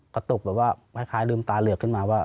กระตุกแบบว่าคล้ายลืมตาเหลือกขึ้นมาว่า